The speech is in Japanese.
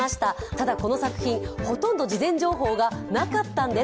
ただ、この作品ほとんど事前情報がなかったんです。